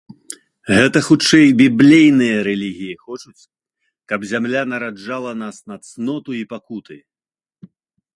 Гэта хутчэй біблейныя рэлігіі хочуць, каб зямля нараджала нас на цноту і пакуты.